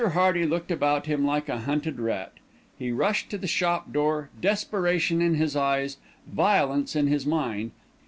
Hearty looked about him like a hunted rat, he rushed to the shop door, desperation in his eyes, violence in his mind.